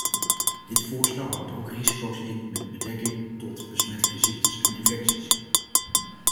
Dit voorstel houdt ook risico's in met bedekking tot besmettelijke ziekten en infecties.